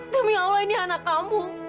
demi allah ini anak kamu